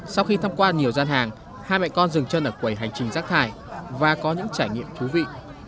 sau khi thăm qua nhiều gian hàng hai mẹ con dừng chân ở quầy hành trình rác thải và có những trải nghiệm thú vị